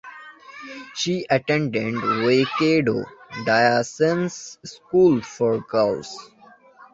She attended Waikato Diocesan School for Girls.